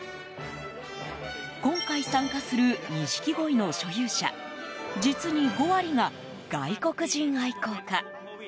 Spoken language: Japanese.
今回、参加する錦鯉の所有者実に５割が外国人愛好家。